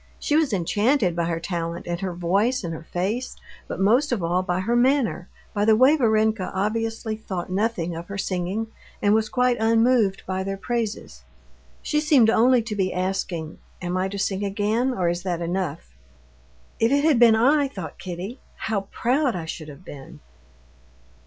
She was enchanted by her talent, and her voice, and her face, but most of all by her manner, by the way Varenka obviously thought nothing of her singing and was quite unmoved by their praises. She seemed only to be asking: "Am I to sing again, or is that enough?" "If it had been I," thought Kitty, "how proud I should have been!